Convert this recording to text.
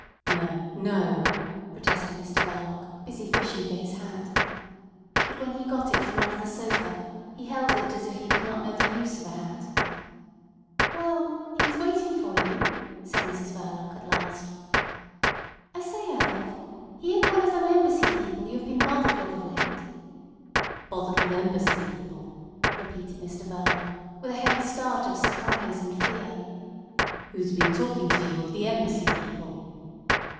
"No! No!" protested Mr Verloc, busy fishing for his hat. But when he got it from under the sofa he held it as if he did not know the use of a hat. "Well—he's waiting for you," said Mrs Verloc at last. "I say, Adolf, he ain't one of them Embassy people you have been bothered with of late?" "Bothered with Embassy people," repeated Mr Verloc, with a heavy start of surprise and fear. "Who's been talking to you of the Embassy people?"